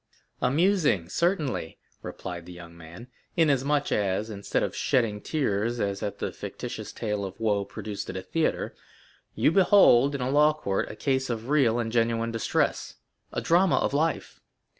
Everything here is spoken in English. "Amusing, certainly," replied the young man, "inasmuch as, instead of shedding tears as at the fictitious tale of woe produced at a theatre, you behold in a law court a case of real and genuine distress—a drama of life.